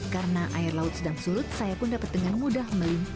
karena air laut sedang surut saya pun dapat dengan mudah mengangkat